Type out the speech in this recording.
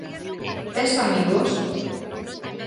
Tes amigos?